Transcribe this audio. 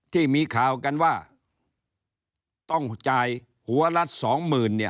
ที่มีข่าวกันว่าต้องจ่ายหัวละสองหมื่นเนี่ย